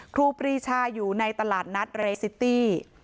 ครูปรีชาอยู่ในตลาดนัดเรซิตี้